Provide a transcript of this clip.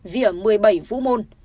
vỉa một mươi bảy vũ môn